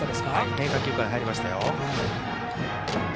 変化球から入りましたよ。